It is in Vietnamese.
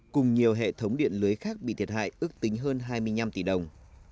cùng nhiều hệ thống điện lưới khác bị thiệt hại ước tính hơn hai mươi năm tỷ đồng